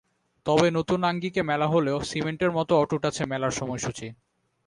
তবে নতুন আঙ্গিকে মেলা হলেও সিমেন্টের মতো অটুট আছে মেলার সময়সূচি।